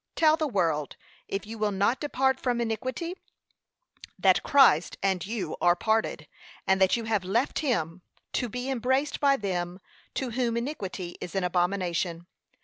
Tell the world, if you will not depart from iniquity, that Christ and you are parted, and that you have left him, to be embraced by them to whom iniquity is an abomination.